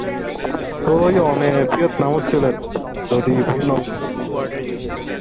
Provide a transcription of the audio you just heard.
তো আপনি ভিয়েতনামে ছিলেন, যদি ভুল না করি?